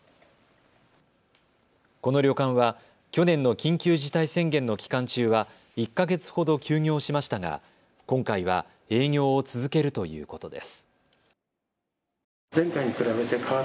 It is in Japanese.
この旅館は去年の緊急事態宣言の期間中は１か月ほど休業しましたが今回は営業を続けるということです。